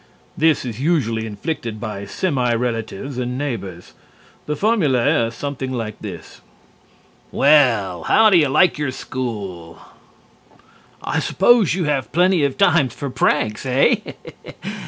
This is usually inflicted by semi relatives and neighbors. The formulæ are something like this: "Well, how do you like your school?" "I suppose you have plenty of time for pranks, eh?"